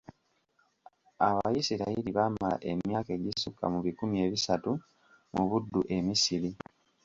Abayisirayiri baamala emyaka egisukka mu bikumi ebisatu mu buddu e Misiri.